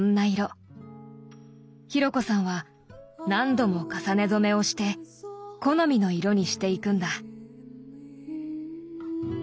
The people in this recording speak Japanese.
紘子さんは何度も重ね染めをして好みの色にしていくんだ。